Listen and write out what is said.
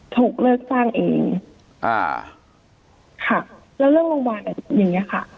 ถูกเลิกสร้างเองอ่าค่ะแล้วเรื่องโรงพยาบาลอ่ะอย่างเงี้ยค่ะ